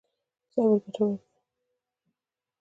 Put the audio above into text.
صبر ګټور دی.